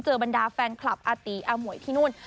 บรรดาแฟนคลับอาตีอาหมวยที่นู่น